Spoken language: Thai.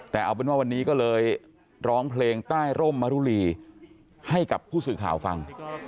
แต่เอาเป็นว่าวันนี้ก็เลยร้องเพลงใต้ร่มมรุลีให้กับผู้สื่อข่าวฟัง